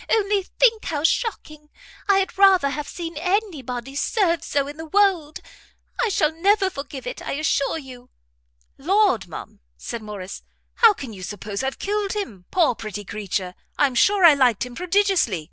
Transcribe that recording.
Only think how shocking! I had rather have seen any body served so in the world. I shall never forgive it, I assure you." "Lord, ma'am," said Morrice, "how can you suppose I've killed him? Poor, pretty creature, I'm sure I liked him prodigiously.